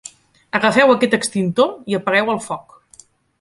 Agafeu aquest extintor i apagueu el foc.